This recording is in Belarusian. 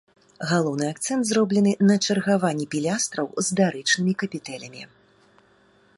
Галоўны акцэнт зроблены на чаргаванні пілястраў з дарычнымі капітэлямі.